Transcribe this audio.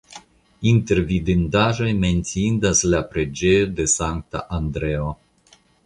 Inter vidindaĵoj menciindas la preĝejo de Sankta Andreo.